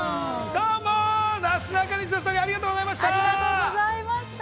◆どうも、なすなかにしのお二人、ありがとうございました。